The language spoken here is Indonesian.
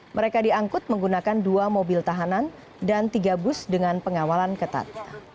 mereka diangkut menggunakan dua mobil tahanan dan tiga bus dengan pengawalan ketat